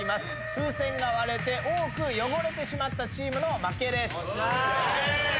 風船が割れて多く汚れてしまったチームの負けです。